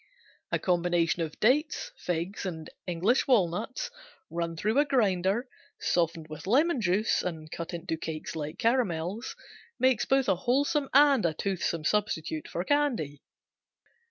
A combination of dates, figs and English walnuts, run through a grinder, softened with lemon juice, and cut into cakes like caramels, makes both a wholesome and a toothsome substitute for candy.